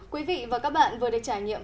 quý vị và các bạn vừa được trải nghiệm